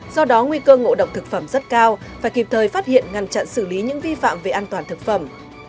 do đó nguy cơ ngộ độc thực phẩm rất cao và kịp thời phát hiện ngăn chặn xử lý những vi phạm về an toàn thực phẩm